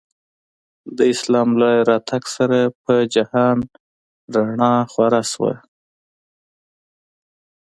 د اسلام له راتګ سره په جهان رڼا خوره شوله.